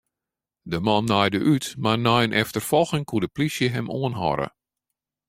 De man naaide út, mar nei in efterfolging koe de plysje him oanhâlde.